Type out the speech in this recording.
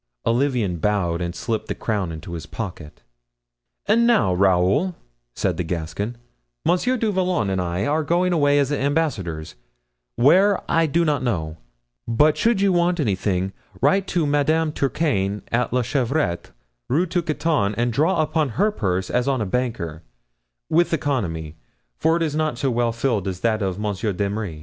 Olivain bowed and slipped the crown into his pocket. "And now, Raoul," said the Gascon, "Monsieur du Vallon and I are going away as ambassadors, where, I know not; but should you want anything, write to Madame Turquaine, at La Chevrette, Rue Tiquetonne and draw upon her purse as on a banker—with economy; for it is not so well filled as that of Monsieur d'Emery."